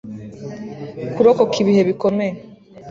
kurokoka ibihe bikomeye